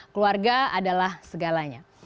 keluarga adalah segalanya